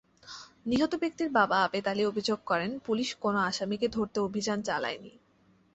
নিহত ব্যক্তির বাবা আবেদ আলী অভিযোগ করেন, পুলিশ কোনো আসামিকে ধরতে অভিযান চালায়নি।